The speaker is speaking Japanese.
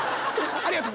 ありがとう。